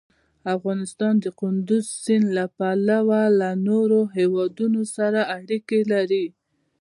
افغانستان د کندز سیند له پلوه له نورو هېوادونو سره اړیکې لري.